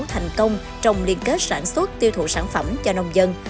thành công trong liên kết sản xuất tiêu thụ sản phẩm cho nông dân